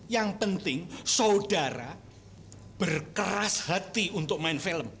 yang penting saudara berkeras hati untuk main film